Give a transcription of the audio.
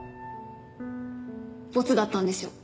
ボツだったんでしょ。